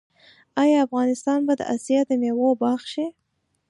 آیا افغانستان به د اسیا د میوو باغ شي؟